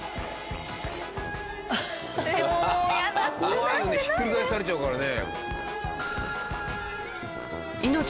怖いよねひっくり返されちゃうからね。